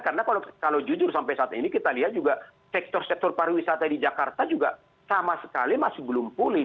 karena kalau jujur sampai saat ini kita lihat juga sektor sektor pariwisata di jakarta juga sama sekali masih belum pulih